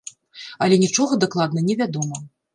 Але нічога дакладна не вядома.